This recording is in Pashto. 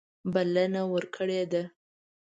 بلنه ورکړې ده.